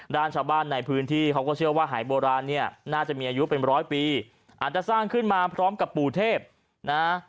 ด้านชาวบ้านในพื้นที่เขาก็เชื่อว่าหายโบราณเนี่ยน่าจะมีอายุเป็นร้อยปีอาจจะสร้างขึ้นมาพร้อมกับปู่เทพนะ